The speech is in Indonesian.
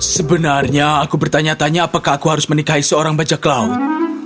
sebenarnya aku bertanya tanya apakah aku harus menikahi seorang bajak laut